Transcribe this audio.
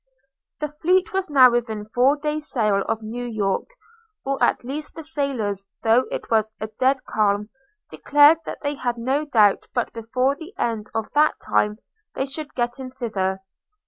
The fleet was now within four days sail of New York; or at least the sailors, though it was a dead calm, declared that they had no doubt but before the end of that time they should get in thither.